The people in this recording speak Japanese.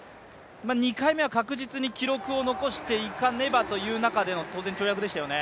２回目は確実に記録を残していかねばという中での跳躍でしたよね。